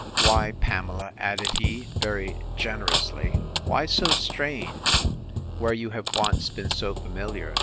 Why, Pamela, added he, very generously, why so strange, where you have once been so familiar?